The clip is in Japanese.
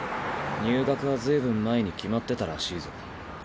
入学は随分前に決まってたらしいぞ。